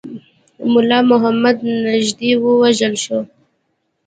مُلا محمد نیژدې ووژل شو.